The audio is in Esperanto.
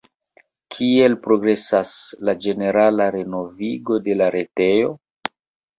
Kiel progresas la ĝenerala renovigo de la retejo?